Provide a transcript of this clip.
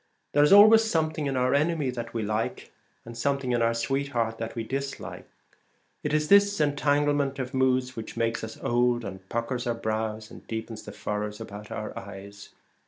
There is always something in our enemy that we like, and something in our sweetheart that we dislike. It is this entanglement of moods which makes us old, and puckers our brows and deepens the furrows about our eyes.